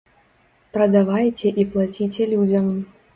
Прадавайце і плаціце людзям.